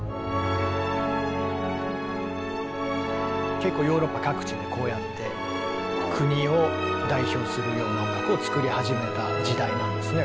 結構ヨーロッパ各地でこうやって国を代表するような音楽を作り始めた時代なんですね。